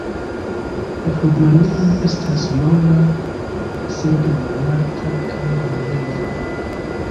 La flugmaniero ne estas longa, sed malalta kaj bruema.